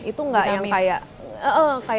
itu gak yang kayak